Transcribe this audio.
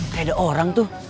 kayak ada orang tuh